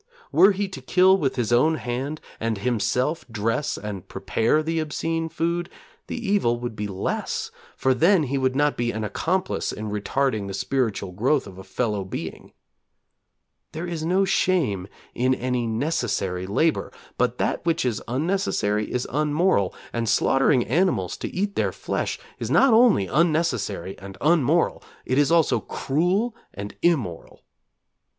Were he to kill with his own hand, and himself dress and prepare the obscene food, the evil would be less, for then he would not be an accomplice in retarding the spiritual growth of a fellow being. There is no shame in any necessary labour, but that which is unnecessary is unmoral, and slaughtering animals to eat their flesh is not only unnecessary and unmoral; it is also cruel and immoral.